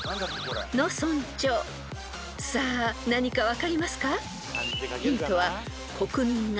［さあ何か分かりますか？］